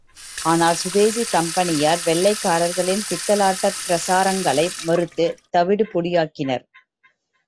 ஆனால், சுதேசிக் கம்பெனியார் வெள்ளையர்களின் பித்தலாட்டப் பிரச்சாரங்களை மறுத்துத் தவிடு பொடியாக்கினர்.